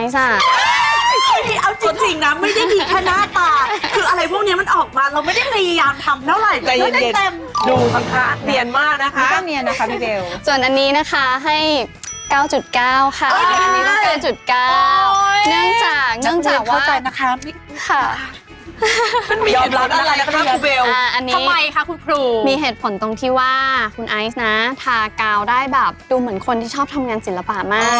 ส่วนอันนี้นะคะให้๙๙ค่ะอันนี้ต้อง๙๙เนื่องจากค่ะค่ะมีเหตุผลตรงที่ว่าคุณไอซ์นะทากาวได้แบบดูเหมือนคนที่ชอบทำงานศิลปะมาก